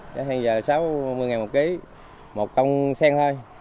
giá hiện giờ là sáu mươi đồng một kg một con sen thôi